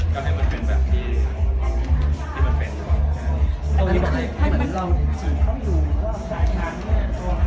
ก็ให้มันเป็นแบบที่มันเป็นตรงนี้